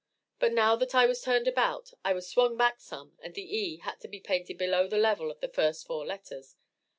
But now that I was turned about, I was swung back some, and the E had to be painted below the level of the first four letters.